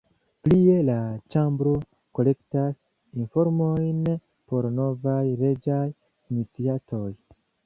Plie la Ĉambro kolektas informojn por novaj leĝaj iniciatoj.